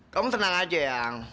kamu tenang aja yang